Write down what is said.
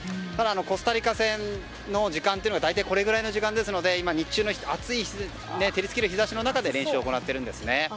コスタリカ戦の時間というのは大体これくらいの時間ですので今、日中の熱い照りつける日差しの中で練習を行っているんですね。